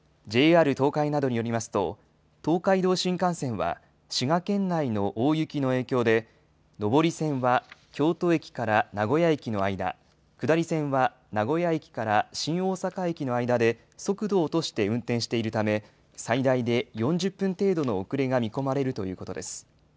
ＪＲ東海などによりますと、東海道新幹線は、滋賀県内の大雪の影響で、上り線は京都駅から名古屋駅の間、下り線は名古屋駅から新大阪駅の間で、速度を落として運転しているため、最大で４０分程度の遅れが見込まれるということです。